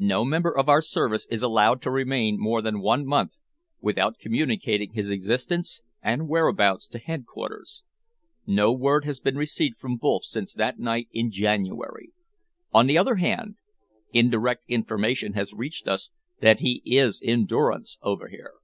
"No member of our service is allowed to remain more than one month without communicating his existence and whereabouts to headquarters. No word has been received from Wolff since that night in January. On the other hand, indirect information has reached us that he is in durance over here."